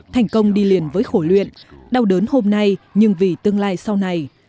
thành công đi liền với khổ luyện đau đớn hôm nay nhưng vì tương lai sau này